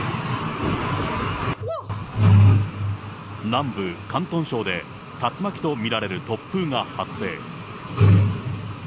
南部広東省で竜巻と見られる突風が発生。